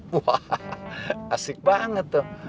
wah asik banget tuh